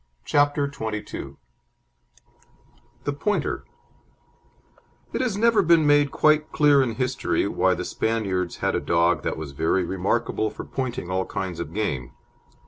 CHAPTER XXII THE POINTER It has never been made quite clear in history why the Spaniards had a dog that was very remarkable for pointing all kinds of game.